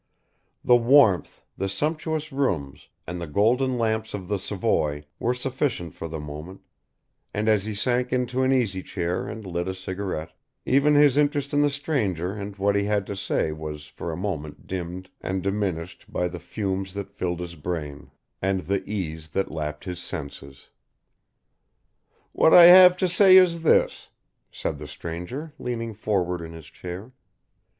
The warmth, the sumptuous rooms, and the golden lamps of the Savoy were sufficient for the moment, and as he sank into an easy chair and lit a cigarette, even his interest in the stranger and what he had to say was for a moment dimmed and diminished by the fumes that filled his brain, and the ease that lapped his senses. "What I have to say is this," said the stranger, leaning forward in his chair.